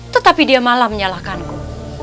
tetapi dia malah menyalahkanku